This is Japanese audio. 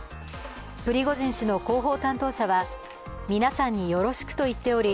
プリゴジン氏の広報担当者は皆さんによろしくと言っており